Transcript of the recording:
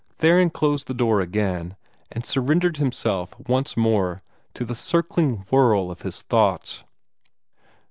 Theron closed the door again, and surrendered himself once more to the circling whirl of his thoughts.